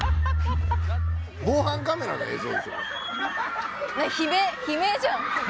防犯カメラの映像でしょ。